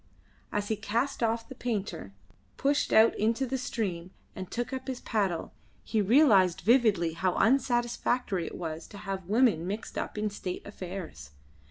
As he cast off the painter, pushed out into the stream, and took up his paddle, he realised vividly how unsatisfactory it was to have women mixed up in state affairs.